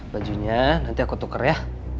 bajunya nanti aku tukar ya